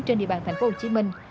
trên địa bàn thành phố hồ chí minh